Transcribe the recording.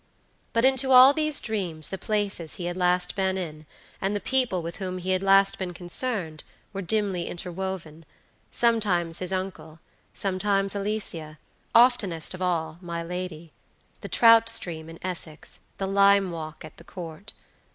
But into all these dreams the places he had last been in, and the people with whom he had last been concerned, were dimly interwovensometimes his uncle; sometimes Alicia; oftenest of all my lady; the trout stream in Essex; the lime walk at the Court.